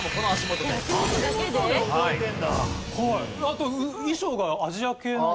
あと衣装がアジア系なんで。